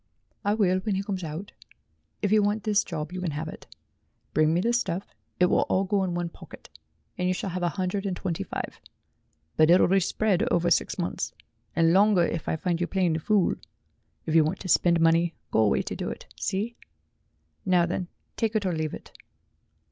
"I will when he comes out. If you want this job, you can have it. Bring me the stuff it will all go in one pocket and you shall have a hundred and twenty five, but it'll be spread over six months, and longer if I find you playing the fool. If you want to spend money, go away to do it. See? Now then take it or leave it."